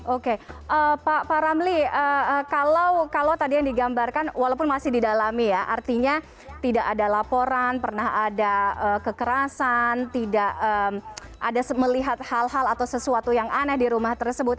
oke pak ramli kalau tadi yang digambarkan walaupun masih didalami ya artinya tidak ada laporan pernah ada kekerasan tidak ada melihat hal hal atau sesuatu yang aneh di rumah tersebut